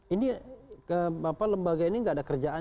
ini lembaga ini tidak ada kerjaan